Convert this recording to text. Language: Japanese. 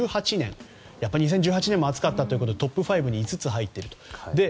やっぱり２０１８年も暑かったということでトップ５に５つ入っていると。